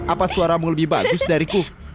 apa suaramu lebih bagus dariku